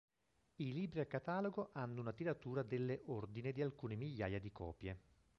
I libri a catalogo hanno una tiratura delle ordine di alcune migliaia di copie.